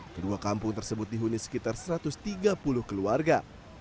kedua kampung tersebut dihuni sekitar satu ratus tiga puluh keluarga